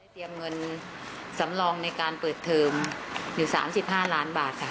เตรียมเงินสำรองในการเปิดเทอมอยู่๓๕ล้านบาทค่ะ